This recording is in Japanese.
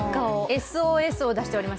ＳＯＳを出しています。